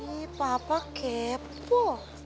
ih papa kepo